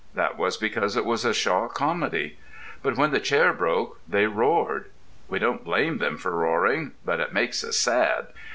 That was because it was a Shaw comedy. But when the chair broke they roared. We don't blame them for roaring, but it makes us sad.